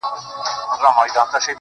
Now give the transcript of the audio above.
غزل ژړيږې عبادت کړي راته داسې وايي,